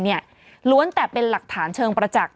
ล้วนแต่เป็นหลักฐานเชิงประจักษ์